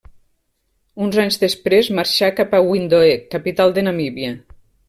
Uns anys després marxà cap a Windhoek, capital de Namíbia.